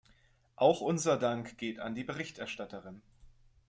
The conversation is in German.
Auch unser Dank geht an die Berichterstatterin.